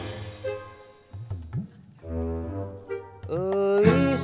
ya lah primitive unas